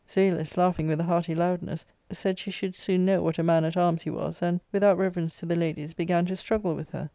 Zoilus, laughing with a hearty loudness, said she should soon know what a man at arms he was, and, without reverence to the ladies, began to struggle with her.